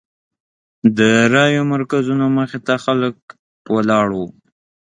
د رایو مرکزونو مخې ته خلک ولاړ وو.